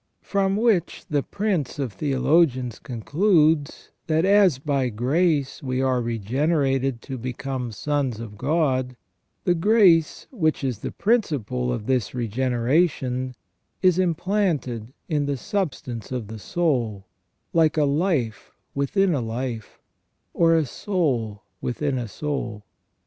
From which the Prince of theologians concludes, that as by grace we are regenerated to become the sons of God, the grace which is the principle of this regeneration is implanted in the substance of the soul, like a life within a life, or a soul within a soul.